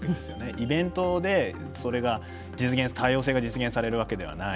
イベントで、多様性が実現されるわけではない。